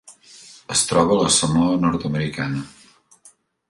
Es troba a la Samoa Nord-americana.